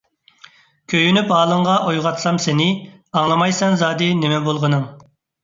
كۆيۈنۈپ ھالىڭغا، ئويغاتسام سېنى، ئاڭلىمايسەن زادى، نېمە بولغىنىڭ؟